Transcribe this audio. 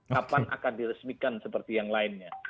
kapan akan diresmikan seperti yang lainnya